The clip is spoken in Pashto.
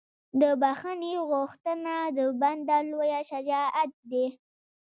د بښنې غوښتنه د بنده لویه شجاعت ده.